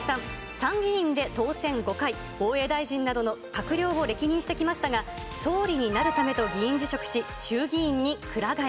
参議院で当選５回、防衛大臣などの閣僚を歴任してきましたが、総理になるためと議員辞職し、衆議院に鞍替え。